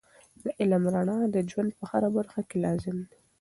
د علم رڼا د ژوند په هره برخه کې لازم دی.